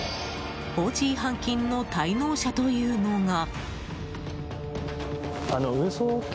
放置違反金の滞納者というのが。